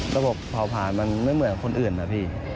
ระบบเผาผ่านมันไม่เหมือนคนอื่นนะพี่